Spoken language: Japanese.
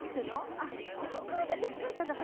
ここ来るんだって疲れちゃうんだから。